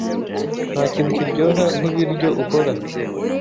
Ntakintu kiryoha nkibiryo ukora.